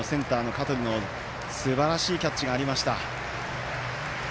香取のすばらしいキャッチがありました。